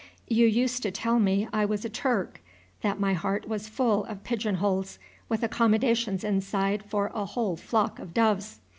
You used to tell me I was a Turk, that my heart was full of pigeon holes, with accommodations inside for a whole flock of doves.